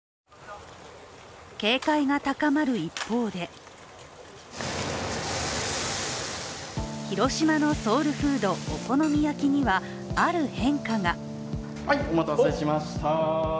警戒が高まる一方で広島のソウルフード、お好み焼きにはある変化が。